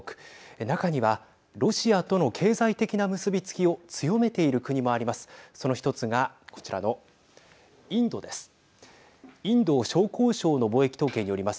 中にはロシアとの経済的な結び付きを強めている国もあります。